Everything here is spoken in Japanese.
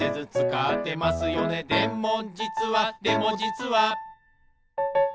「でもじつはでもじつは」